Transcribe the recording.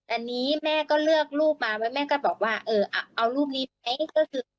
อันนี้แม่ก็เลือกรูปมาไว้แม่ก็บอกว่าเออเอารูปนี้ไหมก็คือ